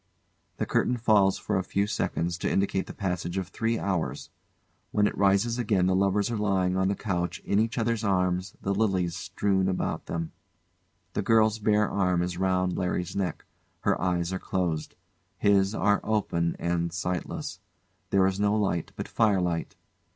] The curtain falls for a few seconds to indicate the passage of three hours. When it rises again, the lovers are lying on the couch, in each other's arms, the lilies stream about them. The girl's bare arm is round LARRY'S neck. Her eyes are closed; his are open and sightless. There is no light but fire light.